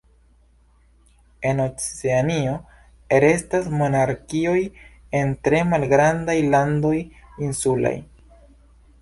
En Oceanio restas monarkioj en tre malgrandaj landoj insulaj.